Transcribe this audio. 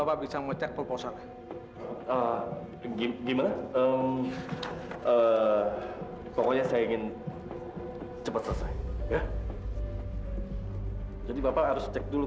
bisa mecek proposal gimana eh pokoknya saya ingin cepet selesai ya jadi bapak harus cek dulu